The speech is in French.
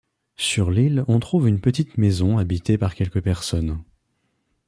Sur l'île on trouve une petite maison habitée par quelques personnes.